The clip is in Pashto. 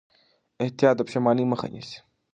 احتیاط د پښېمانۍ مخه نیسي.